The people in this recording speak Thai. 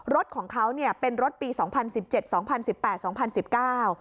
รถของเขาเนี่ยเป็นรถปีสองพันสิบเจ็ดสองพันสิบแปดสองพันสิบเก้า